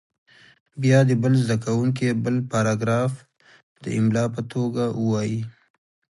بیا دې بل زده کوونکی بل پاراګراف د املا په توګه ووایي.